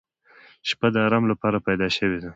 • شپه د آرام لپاره پیدا شوې ده.